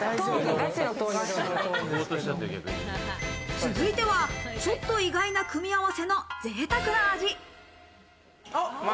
続いては、ちょっと意外な組み合わせの贅沢な味。